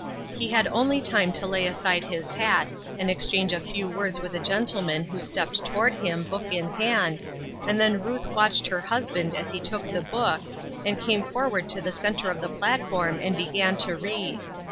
He had only time to lay aside his hat, and exchange a few words with a gentleman who stepped toward him, book in hand, and then Ruth watched her husband as he took the book, and came forward to the centre of the platform and began to read.